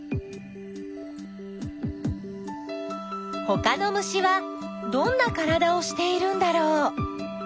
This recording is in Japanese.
ほかの虫はどんなからだをしているんだろう？